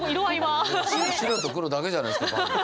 白と黒だけじゃないですかパンダの。